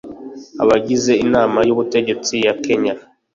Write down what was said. abagize inama y ubutegetsi ya kenya